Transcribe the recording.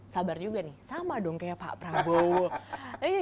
sabar juga nih sama dong kayak pak prabowo